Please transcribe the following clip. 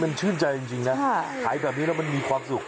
มันชื่นใจจริงนะขายแบบนี้แล้วมันมีความสุข